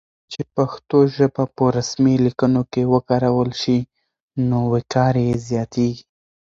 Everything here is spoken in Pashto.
کله چې پښتو ژبه په رسمي لیکونو کې وکارول شي نو وقار یې زیاتېږي.